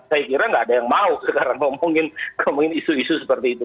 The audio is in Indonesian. saya kira nggak ada yang mau sekarang ngomongin isu isu seperti itu